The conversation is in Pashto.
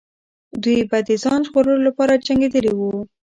دوی به د ځان ژغورلو لپاره جنګېدلې وو.